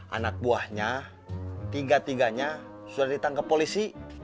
anak buahnya tiga tiganya sudah ditangkap polisi